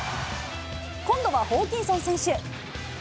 今度はホーキンソン選手。